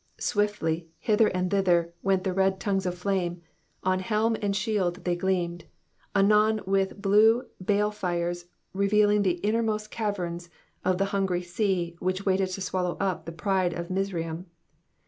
Swiftly, hither and thither, went the red tongues of flame, on helm and shield they gleamed ; anon with blue bale flres revealing the innermost caverns of the hungry sea which waited to swallow up the pride of Mizraim.